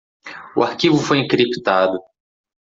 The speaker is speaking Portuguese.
O arquivo foi encriptado